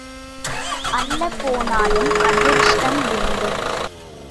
அள்ளப் போனாலும் அதிர்ஷ்டம் வேண்டும்.